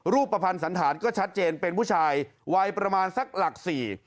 รูปประพันธ์สันธารก็ชัดเจนเป็นผู้ชายวัยประมาณสักหลักสี่